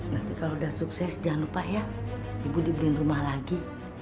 nanti kalau sudah sukses jangan lupa ya ibu dibeliin rumah lagi